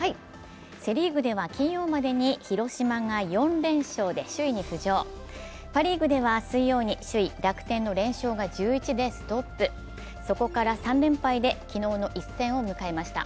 セ・リーグでは金曜までに広島が４連勝で首位に浮上、パ・リーグでは水曜に首位・楽天の連勝が１１でストップ、そこから３連敗で昨日の一戦を迎えました。